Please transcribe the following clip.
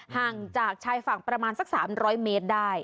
ห่างจากชายฝั่งประมาณสัก๓๐๐เมตรได้